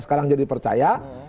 sekarang jadi percaya